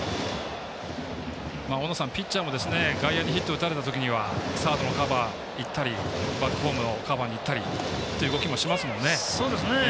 大野さん、ピッチャーも外野にヒット打たれた時はサードのカバー、いったりバックホームのカバーにいったりという動きもしますもんね。